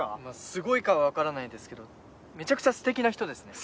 すごいかは分からないですけどめっちゃくちゃステキな人ですね。